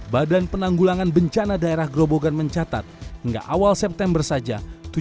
badan penanggulangan bencana daerah grobogan mencatat hingga awal september saja